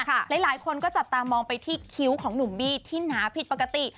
หลายคนก็จับตามองไปที่คิ้วของหนุ่มบี้ที่หนาผิดปกติ